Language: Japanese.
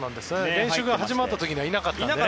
練習が始まった時はいなかったので。